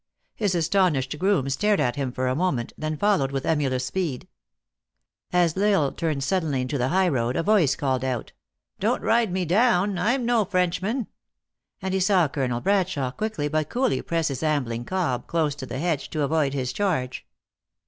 His astonished groom stared at him for a moment, then followed with emulous speed. As L Isle turned suddenly into the high road, a voice called out :" Don t ride me down ; I m no Frenchman !" and he saw Colonel Bradshawe quickly but coolly press his ambling cob close to the hedge, to avoid his charge.